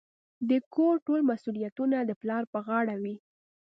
د کور ټول مسوليتونه د پلار په غاړه وي.